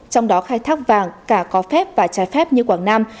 trong đó khai thác vàng cả có phép và trái phép như quảng nam